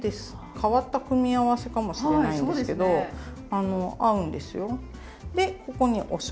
変わった組み合わせかもしれないんですけど合うんですよ。